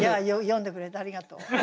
読んでくれてありがとう。